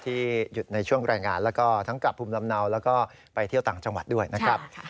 หยุดในช่วงรายงานแล้วก็ทั้งกลับภูมิลำเนาแล้วก็ไปเที่ยวต่างจังหวัดด้วยนะครับ